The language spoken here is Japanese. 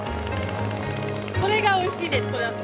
これがおいしいです。